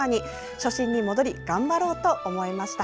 初心に戻り頑張ろうと思いました。